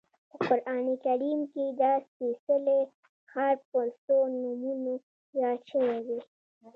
په قران کریم کې دا سپېڅلی ښار په څو نومونو یاد شوی دی.